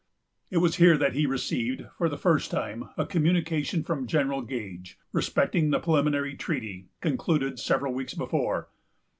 It was here that he received, for the first time, a communication from General Gage, respecting the preliminary treaty, concluded several weeks before.